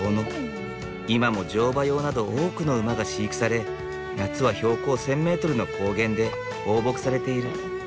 今も乗馬用など多くの馬が飼育され夏は標高１，０００メートルの高原で放牧されている。